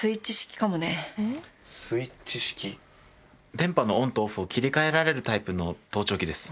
電波のオンとオフを切り替えられるタイプの盗聴器です。